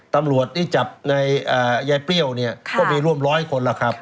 ตำรวจที่จับในยายเปรี้ยวเนี่ยก็มีร่วมร้อยคนแล้วครับ